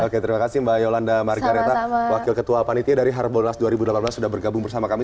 oke terima kasih mbak yolanda margareta wakil ketua panitia dari harbolnas dua ribu delapan belas sudah bergabung bersama kami